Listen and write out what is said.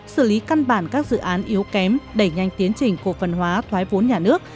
xử lý căn bản các dự án yếu kém đẩy nhanh tiến trình cổ phần hóa thoái vốn nhà nước